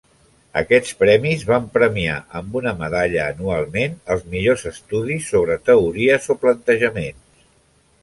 Aquests premis van premiar amb una medalla anualment els millors estudis sobre teories o plantejaments.